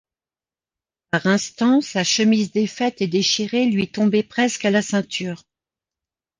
Par instants, sa chemise défaite et déchirée lui tombait presque à la ceinture.